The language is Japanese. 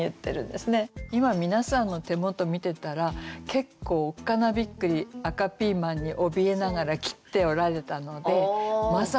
今皆さんの手元見てたら結構おっかなびっくり赤ピーマンにおびえながら切っておられたのでまさに